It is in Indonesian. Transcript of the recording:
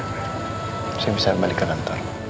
terus saya bisa balik ke kantor